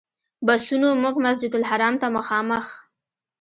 بسونو موږ مسجدالحرام ته مخامخ.